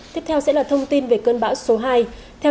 tiếp theo sẽ là thông tin về cơn bão số hai